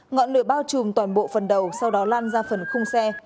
ngọn lửa bao trùm toàn bộ phần đầu sau đó lan ra phần khung xe